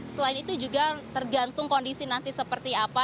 selain itu juga tergantung kondisi nanti seperti apa